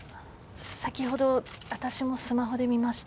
先ほど私もスマホで見ました。